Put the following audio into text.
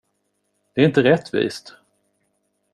Det är inte rättvist!